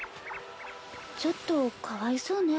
ちょっとかわいそうね。